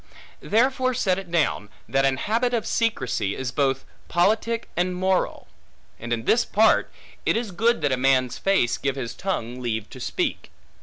Therefore set it down, that an habit of secrecy, is both politic and moral. And in this part, it is good that a man's face give his tongue leave to speak.